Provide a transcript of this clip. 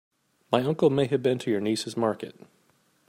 My uncle may have been to your niece's market.